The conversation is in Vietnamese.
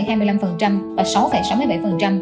tăng sáu sáu mươi bảy lên tối đa bốn triệu đồng